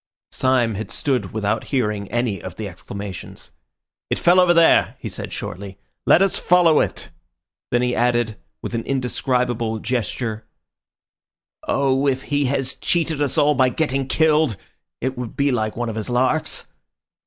Syme had stood without hearing any of the exclamations. "It fell over there," he said shortly. "Let us follow it!" Then he added with an indescribable gesture— "Oh, if he has cheated us all by getting killed! It would be like one of his larks."